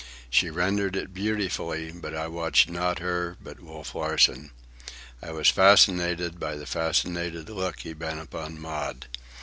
She rendered it beautifully, but I watched not her, but Wolf Larsen. I was fascinated by the fascinated look he bent upon Maud.